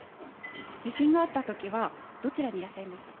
地震があった時はどちらにいらっしゃいましたか？